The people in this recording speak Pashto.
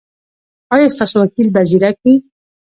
ایا ستاسو وکیل به زیرک وي؟